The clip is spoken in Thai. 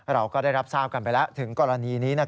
เราก็ได้รับทราบกันไปแล้วถึงกรณีนี้